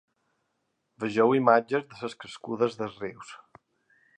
Vegeu imatges de les crescudes dels rius.